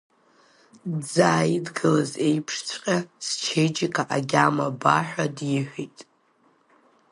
Дзааидгылаз еԥшҵәҟьа счеиџьыка агьама ба ҳа диҳәеит.